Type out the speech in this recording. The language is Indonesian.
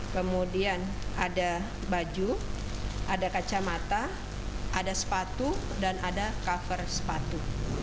kemudian ada baju ada kacamata ada sepatu dan ada cover sepatu